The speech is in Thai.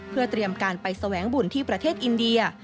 เพื่อเตรียมการไปแสวงบุญที่ประเทศอินเดีย